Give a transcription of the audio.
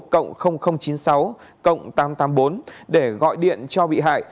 cộng chín mươi sáu cộng tám trăm tám mươi bốn để gọi điện cho bị hại